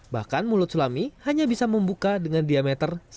bahkan mulut sulami hanya bisa membuka dengan diameter satu